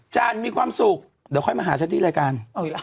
จานมีความสุขเดี๋ยวมาหาฉันที่รายการ